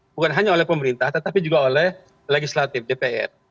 bukan hanya oleh pemerintah tetapi juga oleh legislatif dpr